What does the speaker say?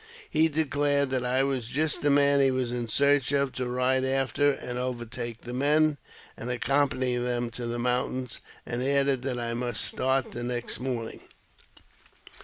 JAMES P. BECKWOUBTH, 47 He declared I was just the man he was in search of to ride after and overtake the men, and accompany them to the mountains, and added that I must start the next morning.